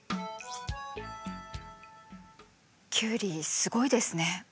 キュウリすごいですね。